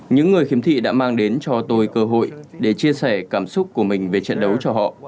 những người khiếm thị đã mang đến cho tôi cơ hội để chia sẻ cảm xúc của mình về trận đấu cho họ